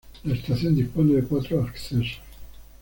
La estación dispone de cuatro accesos